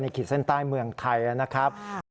ขีดเส้นใต้เมืองไทยนะครับ